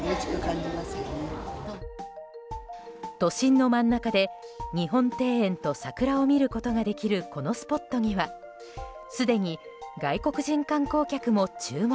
都心の真ん中で日本庭園と桜を見ることができるこのスポットにはすでに外国人観光客も注目。